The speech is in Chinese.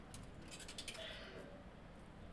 暗杀者称其改革政策帮助基督教渗入日本。